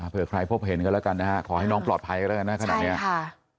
เพื่อใครพบเห็นกันแล้วกันนะฮะขอให้น้องปลอดภัยกันแล้วกันนะขนาดนี้ค่ะ